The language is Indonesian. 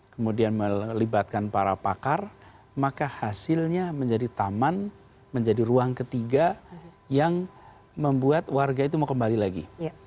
kemudian melibatkan para pakar maka hasilnya menjadi taman menjadi ruang ketiga yang membuat warga itu mau kembali lagi